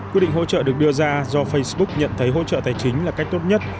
quyết định hỗ trợ được đưa ra do facebook nhận thấy hỗ trợ tài chính là cách tốt nhất